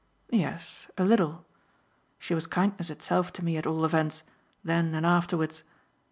"Yes a little. She was kindness itself to me at all events, then and afterwards.